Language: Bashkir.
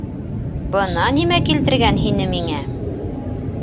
- Бына нимә килтергән һине миңә!